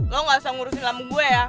lo tidak usah menguruskan lambung gue ya